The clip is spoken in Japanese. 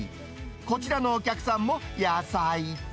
こちらのお客さんも野菜。